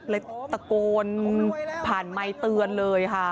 ตะโกนผ่านไมค์เตือนเลยค่ะ